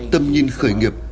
tâm nhìn khởi nghiệp